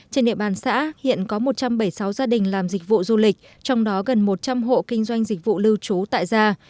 trên địa bàn xã hiện có một trăm bảy mươi sáu gia đình làm dịch vụ du lịch trong đó gần một trăm linh hộ kinh doanh dịch vụ lưu trú tại gia